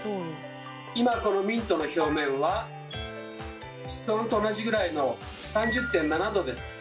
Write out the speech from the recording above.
今このミントの表面は室温と同じぐらいの３０．７℃です。